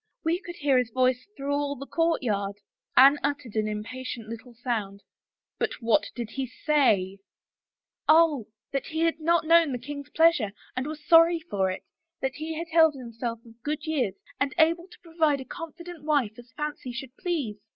Wc could hear his voice through all the courtyard." Anne uttered an impatient little sound. " But what did he say ?"" Oh, that he had not known the king's pleasure and was sorry for it, that he had held himself of good years and able to provide a convenient wife as fancy should please.